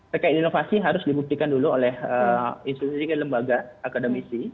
terkait inovasi harus dibuktikan dulu oleh institusi lembaga akademisi